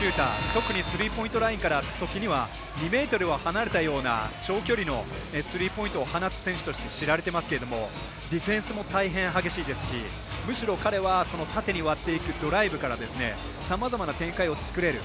特にスリーポイントラインから時には２ｍを離れたような長距離のスリーポイントを放つ選手として知られていますがディフェンスも大変、激しいですし彼は縦に割っていくドライブからさまざまな展開を作れる。